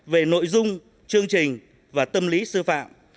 về nội dung chương trình và tâm lý sư phạm